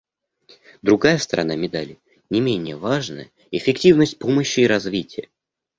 Другая сторона медали, не менее важная, — эффективность помощи и развития.